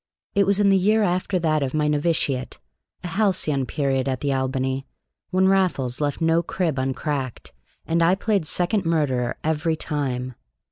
It was in the year after that of my novitiate, a halcyon period at the Albany, when Raffles left no crib uncracked, and I played second murderer every time.